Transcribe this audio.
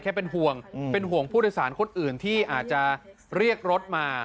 เป็นห่วงเป็นห่วงผู้โดยสารคนอื่นที่อาจจะเรียกรถมา